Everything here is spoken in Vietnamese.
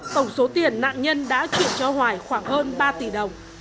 tổng số tiền nạn nhân đã chuyển cho hoài khoảng hơn ba tỷ đồng